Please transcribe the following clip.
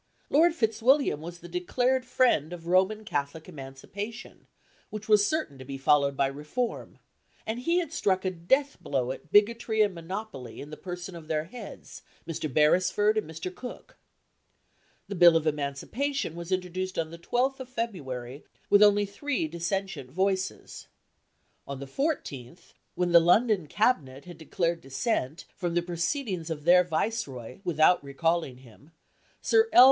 Lord Fitzwilliam was the declared friend of Roman Catholic Emancipation, which was certain to be followed by reform; and he had struck a death blow at bigotry and monopoly in the person of their heads, Mr. Beresford and Mr. Cooke. The Bill of Emancipation was introduced on the 12th of February, with only three dissentient voices. On the 14th, when the London Cabinet had declared dissent from the proceedings of their Viceroy without recalling him, Sir L.